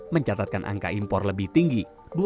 mencatatkan angka impor lebih tinggi